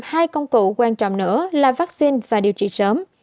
hai công cụ quan trọng nữa là vaccine và điều trị sớm